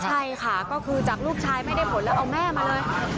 ใช่ค่ะก็คือจากลูกชายไม่ได้ผลแล้วเอาแม่มาเลย